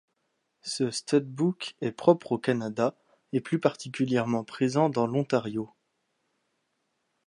Ce stud-book est propre au Canada, et plus particulièrement présent dans l'Ontario.